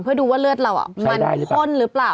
เพื่อดูว่าเลือดเรามันข้นหรือเปล่า